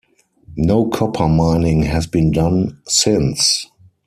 No copper mining has been done since.